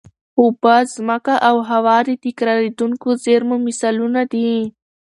اوبه، ځمکه او هوا د تکرارېدونکو زېرمونو مثالونه دي.